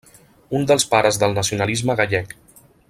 Un dels pares del nacionalisme gallec.